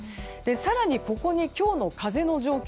更にここに今日の風の状況